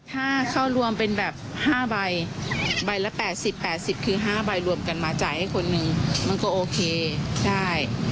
ถ้าเข้ารวมเป็นแบบ๕ใบใบละ๘๐๘๐คือ๕ใบรวมกันมาจ่ายให้คนหนึ่งมันก็โอเคได้